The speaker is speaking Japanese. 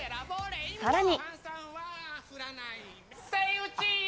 さらに。